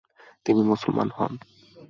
তিনি মুসলমান হন।